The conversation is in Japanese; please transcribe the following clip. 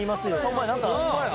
ホンマや。